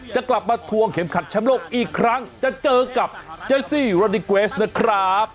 จะกลับมาทวงเข็มขัดแชมป์โลกอีกครั้งจะเจอกับเจซี่โรดิเกวสนะครับ